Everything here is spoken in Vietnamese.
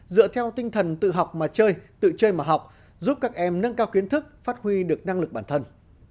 dựa theo tinh thần tự học mà chơi tự chơi mà học giúp các em nâng cao kiến thức phát huy được năng lực bản thân